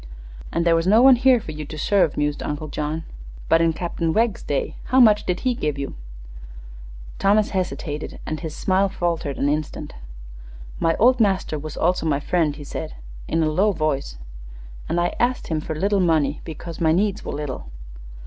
"And there was no one here for you to serve," mused Uncle John. "But in Captain Wegg's day, how much did he give you?" Thomas hesitated, and his smile wavered an instant. "My old master was also my old friend," said he, in a low voice; "an' I ast him fer little money because my needs were little."